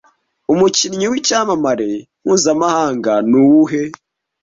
umukinnyi w'icyamamare mpuzamahanga, ni uwuhe